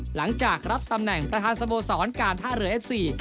หลังจากรับตำแหน่งประธานสโมสรการท่าเรือเอฟซี